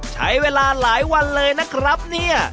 ใช้เวลาหลายวันเลยนะครับเนี่ย